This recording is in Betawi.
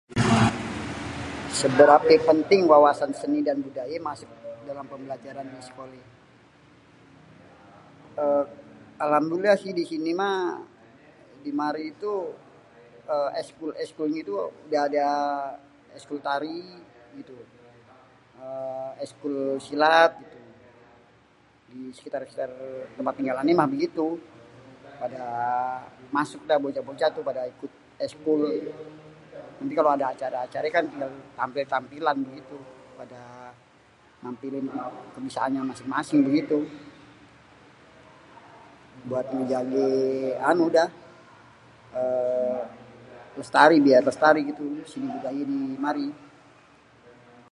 seberapê penting wawasan seni budaya masuk dalem pembelajaran di sekolê ini êê Alhamdulillah si di sini mah, di mari itu eskul-eskulnye itu adê eskul tari gitu, êê eskul silat, di sekitar-sekitar tempat tinggal anê mah begitu, pada masuk dah bocah-bocah itu ikut eskul, jadi kalo ada acarê-acarêkan, tampil-tampilan gitu, pada nampiln kebisaan nyê masing-masing begitu, buat menjaga anu dah êê lestari biar lestari gitu seni budaya ini di mari.